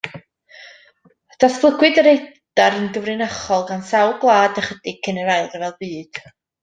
Datblygwyd radar yn gyfrinachol gan sawl gwlad ychydig cyn yr Ail Ryfel Byd.